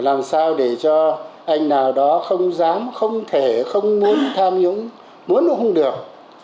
làm sao để cho anh nào đó không dám không thể không muốn tham nhũng muốn không được